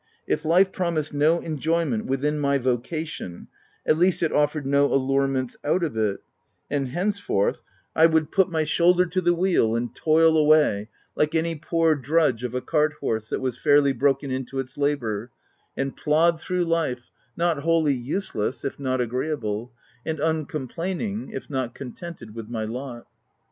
If life promised no enjoyment within my vocation, at least it offered no allurements out of it ; and henceforth, I would put my shoulder to the wheel and toil away, like any poor drudge of a cart horse that was fairly broken in to its labour, and plod through life, not wholly use less if not agreeable, and uncomplaining if not contented with my lot.